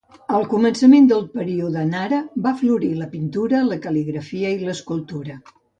Al començament del període Nara va florir la pintura, la cal·ligrafia i l'escultura.